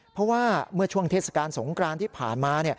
เพราะว่าเมื่อช่วงเทศกาลสงกรานที่ผ่านมา